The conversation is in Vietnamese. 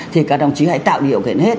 thì các đồng chí hãy tạo điều kiện hết